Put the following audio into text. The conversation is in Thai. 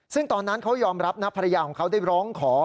ซึ่งตอนนั้นเขายอมรับนะภรรยาของเขาได้ร้องขอ